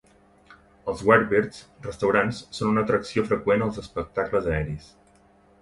Els warbirds restaurats són una atracció freqüent als espectacles aeris.